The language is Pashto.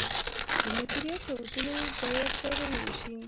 د مدیریت له اصولو باید پیروي وشي.